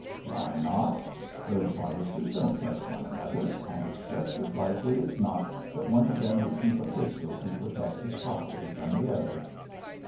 'Why not? Those harvesters don't trust one another, and it's just as likely as not that one of them would keep a pistol to protect his property from the other.'